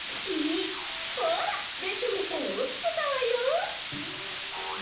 ほらベッドのしたにおちてたわよ。